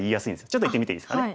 ちょっと言ってみていいですかね。